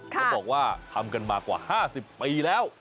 เขาบอกว่าทำกันมากว่า๕๐ปีแล้ว